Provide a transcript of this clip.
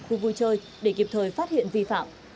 khu vui chơi để kịp thời phát hiện vi phạm